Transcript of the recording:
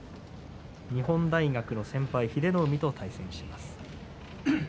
日本大学の先輩、英乃海と対戦します。